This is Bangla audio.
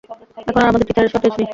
এখন আর আমাদের টীচারের শর্টেজ নেই।